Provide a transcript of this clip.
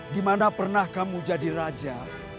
di mana pernah kamu jadi raja